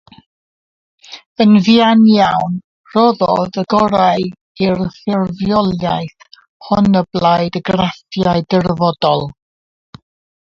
Yn fuan iawn rhoddodd y gorau i'r ffurfiolaeth hon o blaid y graffiau dirfodol.